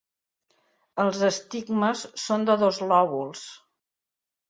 Els estigmes són de dos lòbuls.